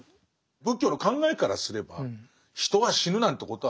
仏教の考えからすれば人が死ぬなんてことは僕も知ってます。